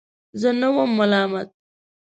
زه نه وم ملامت.